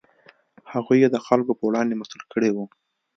هغوی یې د خلکو په وړاندې مسوول کړي وو.